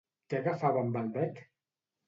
Què agafava amb el bec?